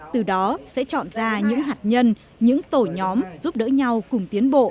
từ đó sẽ chọn ra những hạt nhân